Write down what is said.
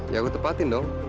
ya aku tepatin dong